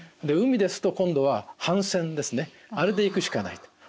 海ですと今度は帆船ですねあれで行くしかないと。